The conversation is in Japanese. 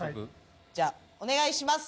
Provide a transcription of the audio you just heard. じゃあお願いします